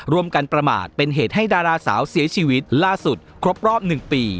รวมกันประมาทเป็นเหตุให้ดาราสาวเสียชีวิตล่าสุดครบรอบ๑ปี